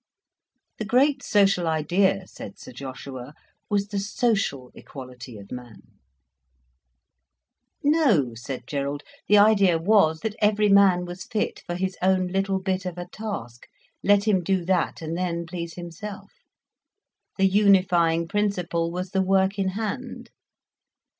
The great social idea, said Sir Joshua, was the social equality of man. No, said Gerald, the idea was, that every man was fit for his own little bit of a task—let him do that, and then please himself. The unifying principle was the work in hand.